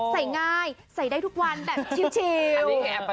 ใส่ง่ายใส่ได้ทุกวันแบบชิล